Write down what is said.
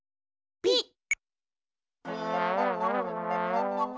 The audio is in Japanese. ピッ。